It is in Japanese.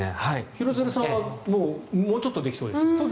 廣津留さんはもうちょっとできそうですか？